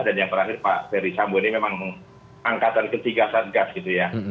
dan yang terakhir pak ferry sambu ini memang angkatan ketiga satgas gitu ya